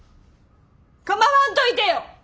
構わんといてよ！